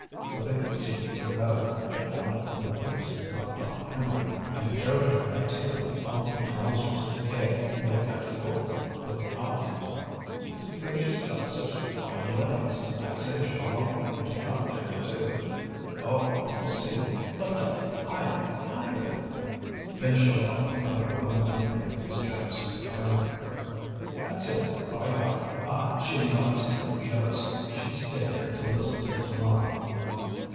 But they could see her better, no doubt, for the picks left off hammering, and they joked her about taking off her trousers. "Eh! you'll catch cold; look out!" "It's because she's got such fine legs! I say, Chaval, there's enough there for two." "Oh! we must see. Lift up! Higher! higher!" Then Chaval, without growing angry at these jokes, turned on her. "That's it, by God! Ah! she likes dirty jokes. She'd stay there to listen till to morrow."